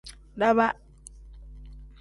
Daaba.